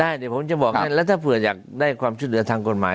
ใช่เดี๋ยวผมจะบอกให้แล้วถ้าเผื่ออยากได้ความช่วยเหลือทางกฎหมาย